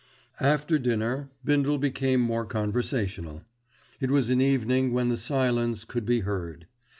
After dinner Bindle became more conversational. It was an evening when the silence could be heard.